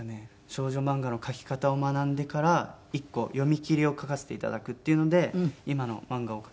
少女漫画の描き方を学んでから１個読み切りを描かせていただくっていうので今の漫画を描きましたね。